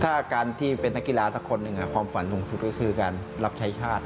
ถ้าการที่เป็นนักกีฬาสักคนหนึ่งความฝันสูงสุดก็คือการรับใช้ชาติ